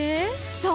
そう！